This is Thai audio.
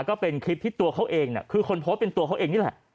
ก็เป็นคลิปที่ตัวเขาเองคือคนโพสต์เป็นตัวเขาเองนี่แหละ